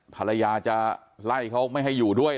ภรรยาจะไล่เขาไม่ให้อยู่ด้วย